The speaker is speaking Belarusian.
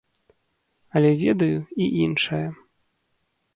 Але ведаю і іншае.